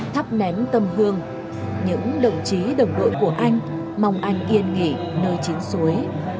thắp nén tâm hương những đồng chí đồng đội của anh mong anh yên nghỉ nơi chiến suối